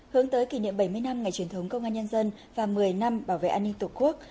hướng tới kỷ niệm bảy mươi năm ngày truyền thống công an nhân dân và một mươi năm bảo vệ an ninh tổ quốc